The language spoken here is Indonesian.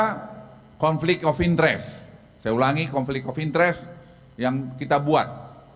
karena konflik of interest saya ulangi konflik of interest yang kita buat